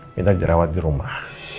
pengawet di rumah